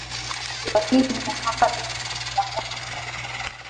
njia hizi zinasambaza virusi vya homa ya ini